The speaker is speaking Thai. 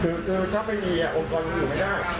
คือถ้าไม่มีองค์กรมันอยู่ไม่ได้